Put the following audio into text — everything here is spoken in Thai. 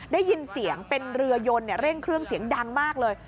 ได้ยินเสียงเป็นเรือยนเร่งเครื่องเสียงดังมากเลย